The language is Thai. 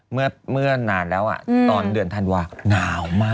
เมื่อนานแล้วตอนเดือนธันวาหนาวมาก